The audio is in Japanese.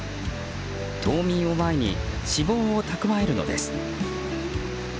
冬眠を前に脂肪をたくわえるのです。